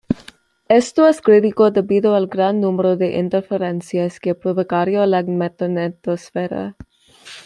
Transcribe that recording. Esto es crítico debido al gran número de interferencias que provocaría la magnetosfera.